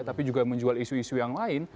tapi juga menjual isu isu yang lain